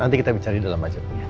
nanti kita bicara di dalam budget